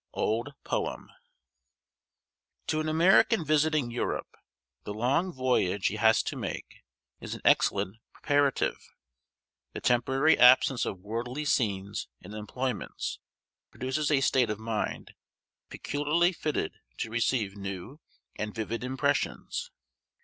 OLD POEM. To an American visiting Europe, the long voyage he has to make is an excellent preparative. The temporary absence of worldly scenes and employments produces a state of mind peculiarly fitted to receive new and vivid impressions.